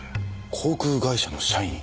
航空会社の社員。